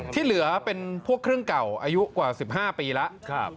ที่เหลือเป็นพวกเครื่องเก่าอายุกว่า๑๕ปีแล้ว